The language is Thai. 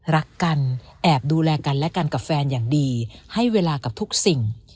รักกันแอบดูแลกันและกันกับแฟนอย่างดีให้เวลากับทุกสิ่ง